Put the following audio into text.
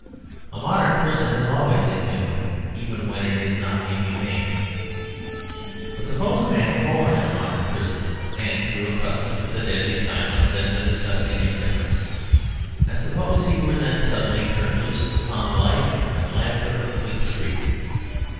A modern prison is always inhuman, even when it is not inhumane. But suppose a man were born in a modern prison, and grew accustomed to the deadly silence and the disgusting indifference; and suppose he were then suddenly turned loose upon the life and laughter of Fleet Street.